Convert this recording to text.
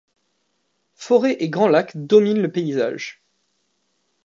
Forêts et grands lacs dominent le paysage.